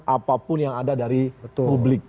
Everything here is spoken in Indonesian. apapun yang ada dari publik